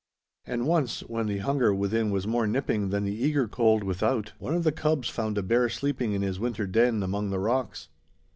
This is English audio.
And once, when the hunger within was more nipping than the eager cold without, one of the cubs found a bear sleeping in his winter den among the rocks.